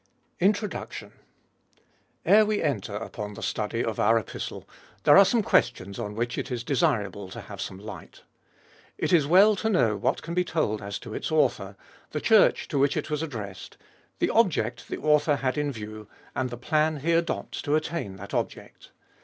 INTRODUCTION. ERE we enter upon the study of our Epistle, there are some questions on which it is desirable to have some light. It is well to know what can be told as to its author, the Church to which it was addressed, the object the author had in view, and the plan he adopts to attain that object.